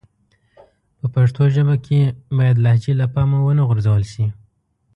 په پښتو ژبه کښي بايد لهجې له پامه و نه غورځول سي.